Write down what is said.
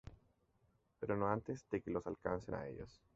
Pero no antes de que los alcanzasen a ellos.